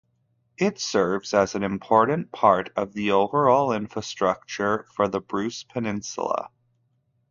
It serves as an important part of the overall infrastructure for the Bruce Peninsula.